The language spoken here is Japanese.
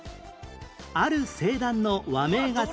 ある星団の和名が付く